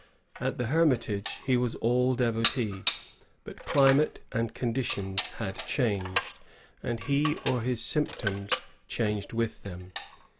At the Hermitage he was all devotee; but climate and conditions had changed, and he or his symptoms changed with them.